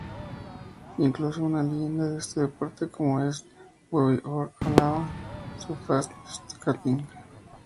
Incluso una leyenda de este deporte como es Bobby Orr alababa su "fast skating".